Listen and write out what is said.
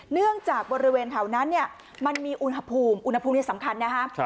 เนื่องจากบริเวณเท่านั้นมันมีอุณหภูมิอุณหภูมิที่สำคัญนะครับ